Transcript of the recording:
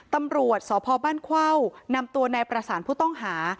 ตำรวจสพบ้านเข้านำตัวนายประสานผู้ต้องหา